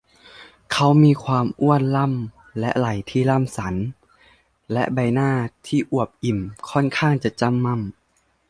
เขามีความอ้วนล่ำและไหล่ที่ล่ำสัน และใบหน้าที่อวบอิ่มค่อนข้างจะจ้ำม่ำ